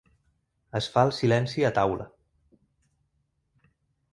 Es fa el silenci a taula.